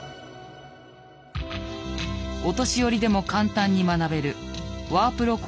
お年寄りでも簡単に学べるワープロ講座が登場。